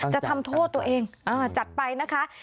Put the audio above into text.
จะทำโทษตัวเองจัดไปนะคะ